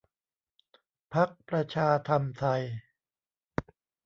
พรรคประชาธรรมไทย